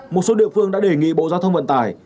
một số địa phương đã đề nghị bộ giao thông vận tải